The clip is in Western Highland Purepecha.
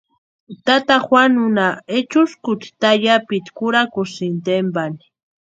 Tata Juanunha ehuskuta tayapi kurhakusïnti tempani.